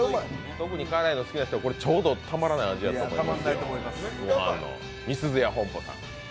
特に辛いのが好きな人は、ちょうどたまらない味だと思います。